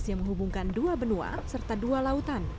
yang berada di antara benua serta dua lautan